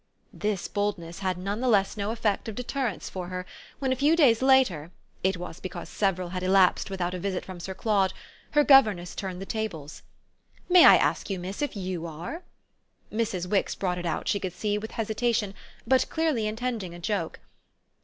This boldness had none the less no effect of deterrence for her when, a few days later it was because several had elapsed without a visit from Sir Claude her governess turned the tables. "May I ask you, miss, if YOU are?" Mrs. Wix brought it out, she could see, with hesitation, but clearly intending a joke.